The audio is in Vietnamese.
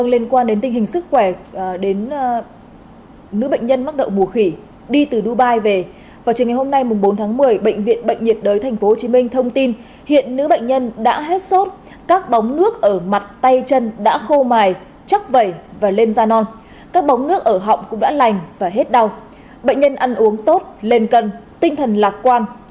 lây nhiễm chéo cho người khác